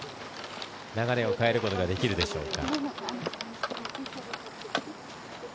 流れを変えることができるでしょうか。